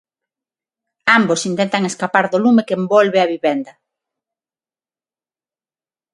Ambos intentan escapar do lume que envolve a vivenda.